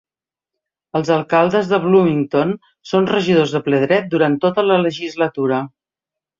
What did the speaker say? Els alcaldes de Bloomington són regidors de ple dret durant tota la legislatura.